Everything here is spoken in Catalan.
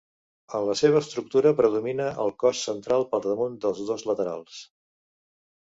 En la seva estructura predomina el cos central per damunt dels dos laterals.